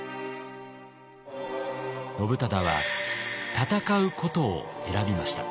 信忠は戦うことを選びました。